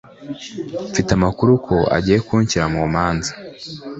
mfite amakuru ko agiye kunshyira mumanza